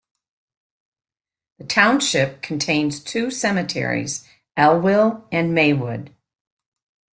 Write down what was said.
The township contains two cemeteries: Elwell and Maywood.